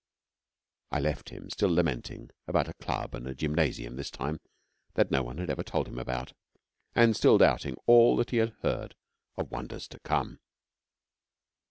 I left him still lamenting about a Club and a Gymnasium this time that no one had ever told him about; and still doubting all that he had heard of Wonders to come.